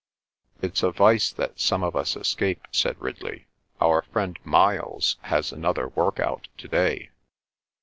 "It's a vice that some of us escape," said Ridley. "Our friend Miles has another work out to day."